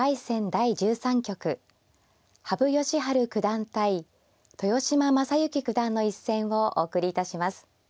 第１３局羽生善治九段対豊島将之九段の一戦をお送りいたします。